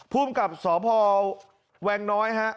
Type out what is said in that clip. ภูมิกับสพแวงน้อยฮะ